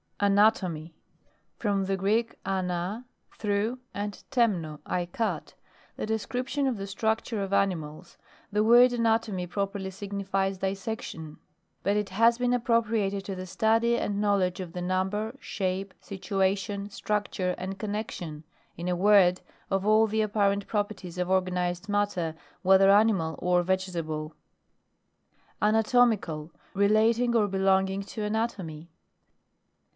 ANATOMY. From the Greek, ana, through, and temno, I cut ; the des cription of the structure of ani mals. The word anatomy properly signifies dissection ; but it has been appropriated to the study and know ledge of the number, shape, situa tion, structure, and connexion, in a word, of all the apparent proper ties of organised matter, whether animal or vegetable. ANATOMICAL. Relating or belonging to anatomy.